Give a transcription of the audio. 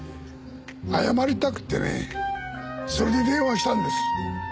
謝りたくてねそれで電話したんです。